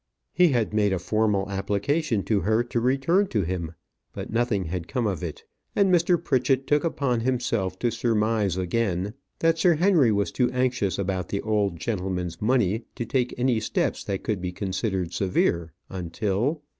He had made a formal application to her to return to him, but nothing had come of it; and Mr. Pritchett took upon himself to surmise again, that Sir Henry was too anxious about the old gentleman's money to take any steps that could be considered severe, until